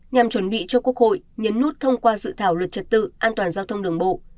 nhằm chuẩn bị cho quốc hội nhấn nút thông qua dự thảo luật trật tự an toàn giao thông đường bộ